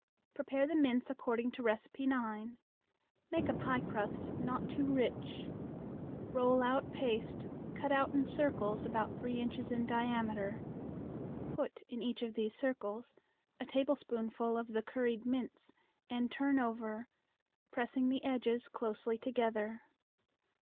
Prepare the mince according to No. 9. Make a piecrust, not too rich. Roll out paste, cut out in circles about three inches in diameter. Put in each of these circles a tablespoonful of the curried mince, and turn over, pressing the edges closely together.